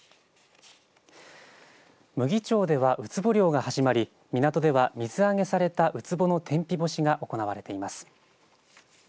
牟岐町ではウツボ漁が始まり港では水揚げされたウツボの天日干しが行われています。